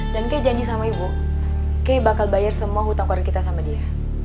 dan kay janji sama ibu kay bakal bayar semua hutang keluarga kita sama dia